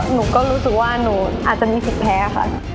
หนูก็รู้สึกว่าหนูอาจจะมีสิทธิแพ้ค่ะ